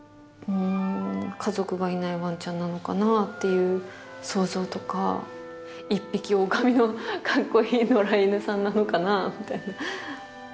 家族がいないワンちゃんなのかなっていう想像とか一匹おおかみのカッコイイ野良犬さんなのかなみたいな。